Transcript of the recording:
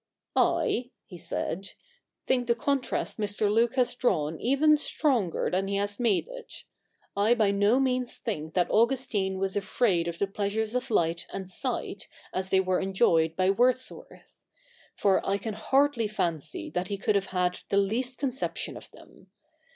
' I,' he said, ' think the contrast Mr. Luke has drawn even stronger than he has made it. I by no means think that Augustine was afraid of the pleasures of light and sight as they were enjoyed by Wordsworth ; for I can hardly fancy that he could have had the least conception of them.